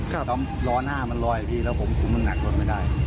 แล้วร้อน่ามันลอยแล้วผมมันหนักลงไม่ได้